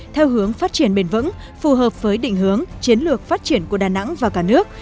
theo hướng phát triển bền vững phù hợp với định hướng chiến lược phát triển của đà nẵng và cả nước